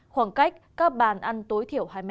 khoảng cách các bàn ăn tối thiểu hai m